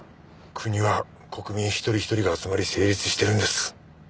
国は国民一人ひとりが集まり成立してるんです。